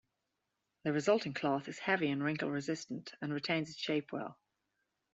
The resulting cloth is heavy and wrinkle-resistant, and retains its shape well.